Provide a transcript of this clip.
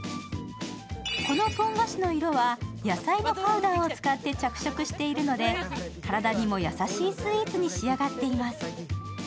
このポン菓子の色は野菜のパウダーを使って着色しているので体にも優しいスイーツに仕上がっています。